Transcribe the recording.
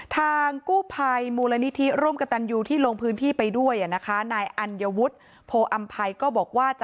ทางกู้ภัยมูลนิธิร่วมกับตันยูที่ลงพื้นที่ไปด้วยนะคะนายอัญวุฒิโพออำภัยก็บอกว่าจะ